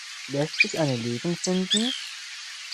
Lässt sich eine Lösung finden?